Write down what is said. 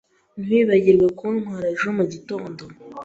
Ntiwibagirwe kuntwara ejo mugitondo.